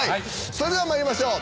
それでは参りましょう。